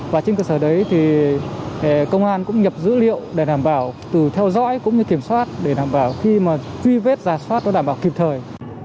và trên cơ sở đấy thì công an cũng nhập dữ liệu để đảm bảo từ theo dõi cũng như kiểm soát để đảm bảo khi mà truy vết giả soát nó đảm bảo kịp thời